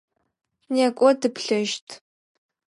Некӏо тыплъэщт!